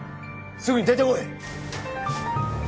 すぐに出てこい！